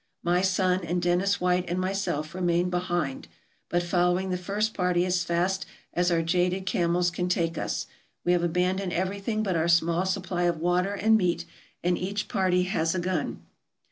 My son and Dennis White and myself remain behind, but following the first party as fast as our jaded camels can take us. We have abandoned everything but our small supply of water and meat, and each party has a gun.